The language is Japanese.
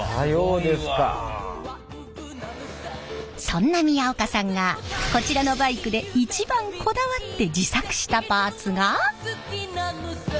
そんな宮岡さんがこちらのバイクで一番こだわって自作したパーツが。